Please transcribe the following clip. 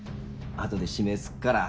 あとで指名すっから。